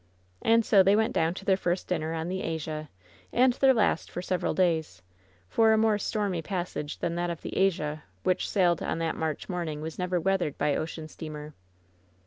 And so they went down to their first dinner on the Asia, and their last for several days, for a more stormy passage than that of the Asia which sailed on that March morning was never weathered by ocean steamer.